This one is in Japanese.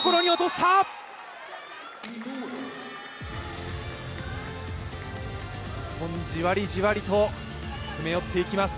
日本、じわりじわりと詰め寄っていきます。